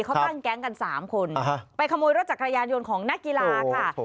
เขาตั้งแก๊งกัน๓คนไปขโมยรถจักรยานยนต์ของนักกีฬาค่ะ